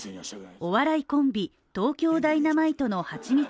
お笑いコンビ、東京ダイナマイトのハチミツ